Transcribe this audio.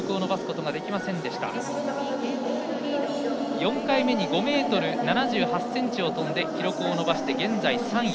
４回目に５ｍ７８ｃｍを跳んで記録を伸ばして現在、３位。